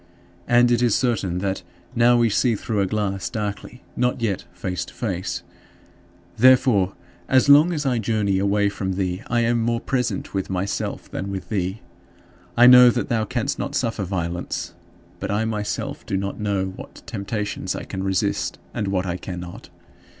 And it is certain that "now we see through a glass darkly," not yet "face to face." Therefore, as long as I journey away from thee, I am more present with myself than with thee. I know that thou canst not suffer violence, but I myself do not know what temptations I can resist, and what I cannot.